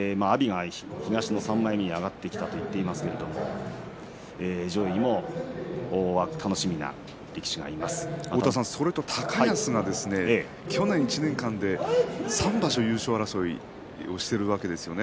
阿炎が東の３枚目に上がってきたと言っていますが高安は去年１年間で３場所優勝争いしているわけですよね。